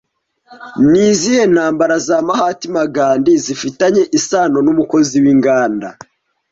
Ni izihe ntambara za Mahatma Gandhi zifitanye isano n'umukozi w'inganda